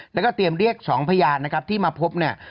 แล้วก็เตรียมเรียก๒พยานนะครับที่มาพบเนี่ย